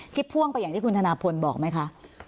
พ่วงไปอย่างที่คุณธนาพลบอกไหมคะ